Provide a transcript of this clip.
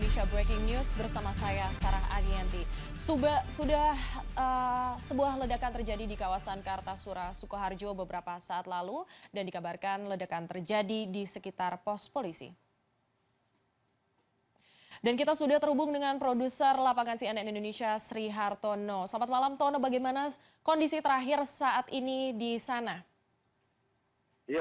selamat malam tono bagaimana kondisi terakhir saat ini di sana